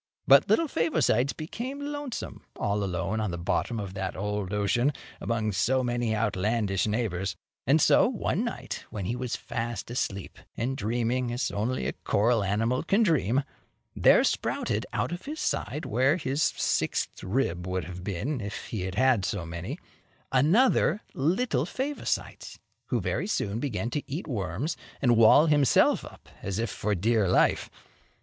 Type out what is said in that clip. But little Favosites became lonesome all alone on the bottom of that old ocean, among so many outlandish neighbors; and so, one night, when he was fast asleep, and dreaming as only a coral animal can dream, there sprouted out of his side, where his sixth rib would have been if he had had so many, another little Favosites, who very soon began to eat worms and wall himself up as if for dear life.